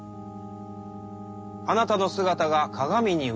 あなたの姿が「鏡」に映った瞬間